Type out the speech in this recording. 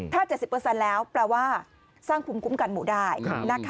ถ้า๗๐แล้วแปลว่าสร้างภูมิคุ้มกันหมู่ได้